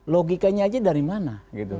logikanya aja dari mana